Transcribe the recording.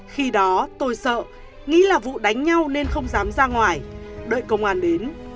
khi đó tôi sợ nghĩ là vụ đánh nhau nên không dám ra ngoài đợi công an đến